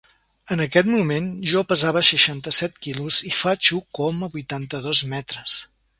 En aquest moment, jo pesava seixanta-set quilos, i faig u coma vuitanta-dos metres.